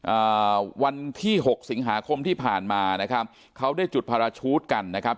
อ่าวันที่หกสิงหาคมที่ผ่านมานะครับเขาได้จุดพาราชูทกันนะครับ